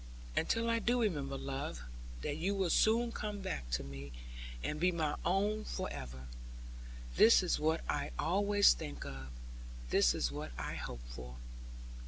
'Until I do remember, love, that you will soon come back to me, and be my own for ever. This is what I always think of, this is what I hope for.'